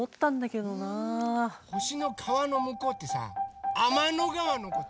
ほしのかわのむこうってさあまのがわのこと？